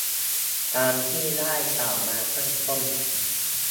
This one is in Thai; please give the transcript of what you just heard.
ตามที่ได้กล่าวมาข้างต้น